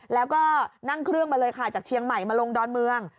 แล้วก็นั่งเครื่องมาเลยค่ะจากเชียงใหม่มาลงดอนเมือง